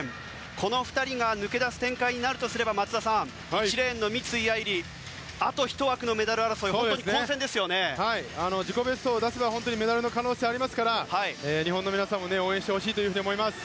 この２人が抜け出す展開になるとすれば、松田さん三井愛梨あと１枠のメダル争い自己ベストを出せばメダルの可能性ありますから日本の皆さんも応援してほしいと思います。